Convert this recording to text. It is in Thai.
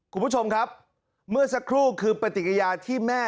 คุณผู้ชมครับเมื่อสักครู่คือปฏิกิยาที่แม่